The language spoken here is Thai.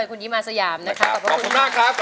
พี่ตัดสังแต่ท่อแรก